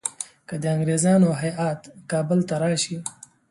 که د انګریزانو هیات کابل ته راشي.